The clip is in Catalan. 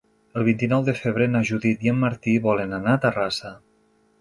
El vint-i-nou de febrer na Judit i en Martí volen anar a Terrassa.